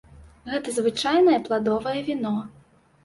Гэта звычайнае пладовае віно.